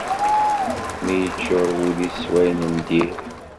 Mi yeččur ul-is s wayen n diri.